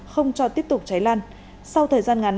không cho tiếp tục cháy lan sau thời gian ngắn